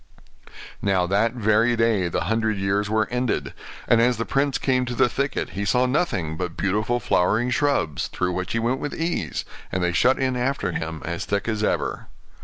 Now that very day the hundred years were ended; and as the prince came to the thicket he saw nothing but beautiful flowering shrubs, through which he went with ease, and they shut in after him as thick as ever.